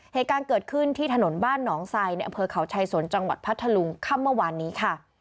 เหตุการณ์เกิดขึ้นที่ถนนบ้านหนองไซในอำเภอเขาชายสนจังหวัดพัทธลุงค่ำเมื่อวานนี้ค่ะ